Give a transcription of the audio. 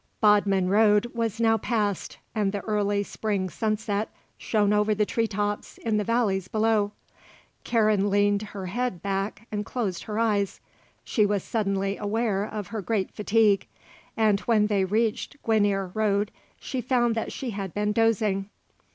Bodmin Road was now passed and the early spring sunset shone over the tree tops in the valleys below. Karen leaned her head back and closed her eyes. She was suddenly aware of her great fatigue, and when they reached Gwinear Road she found that she had been dozing.